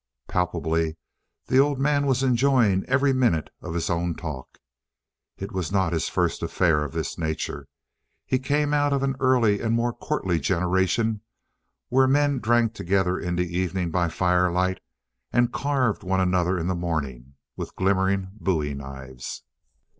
Palpably the old man was enjoying every minute of his own talk. It was not his first affair of this nature. He came out of an early and more courtly generation where men drank together in the evening by firelight and carved one another in the morning with glimmering bowie knives.